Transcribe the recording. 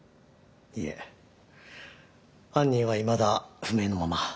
いえ犯人はいまだ不明のまま。